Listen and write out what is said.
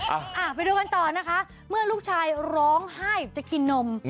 เอาไปดูกันต่อนะคะเมื่อลูกชายร้องไห้จะกินนม